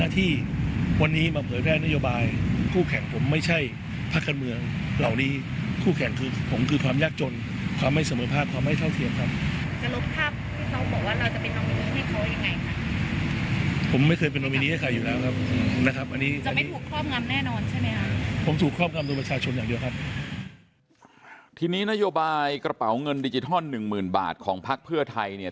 ทีนี้นโยบายกระเป๋าเงินดิจิทัล๑๐๐๐บาทของพักเพื่อไทยเนี่ย